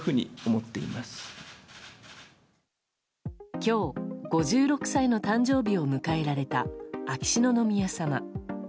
今日、５６歳の誕生日を迎えられた秋篠宮さま。